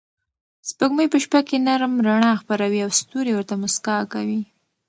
سپوږمۍ په شپه کې نرم رڼا خپروي او ستوري ورته موسکا کوي.